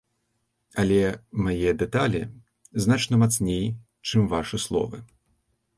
Але мае дэталі значна мацней, чым вашы словы.